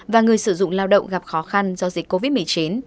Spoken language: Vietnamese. và người sử dụng lao động gặp khó khăn do dịch covid một mươi chín